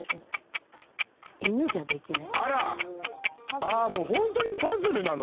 犬じゃできない。